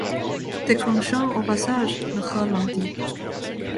déclenchant au passage le ralenti.